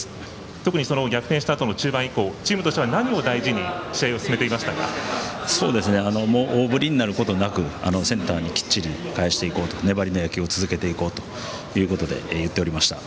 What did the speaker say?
特に逆転したあとの中盤以降チームとしては何を大事に大振りになることなくセンターにしっかり返していこうと粘りの野球を続けていこうといっておりました。